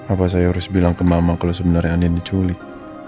apa saya harus bilang ke mama kalau sebenarnya ada yang diculik